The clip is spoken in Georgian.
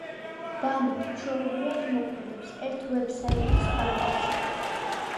ბანი, ჩვეულებრივ, მოქმედებს ერთი ვებ–საიტის ფარგლებში.